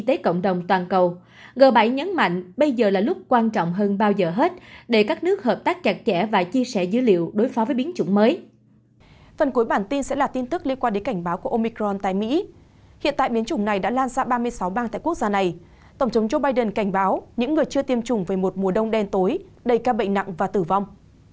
tổng chống joe biden cảnh báo những người chưa tiêm chủng về một mùa đông đen tối đầy ca bệnh nặng và tử vong